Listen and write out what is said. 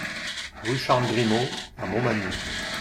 Rue Charles Grimaud à Montmagny